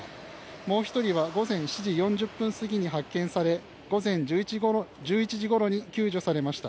もう１人は午前７時４０分過ぎに発見され午前１１時ごろに救助されました。